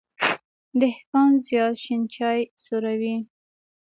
دیکان زیات شين چای څوروي.